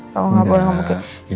kalau gak boleh mungkin